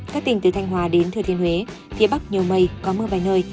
các tỉnh từ thanh hòa đến thừa thiên huế phía bắc nhiều mây có mưa vài nơi